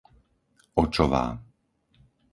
Očová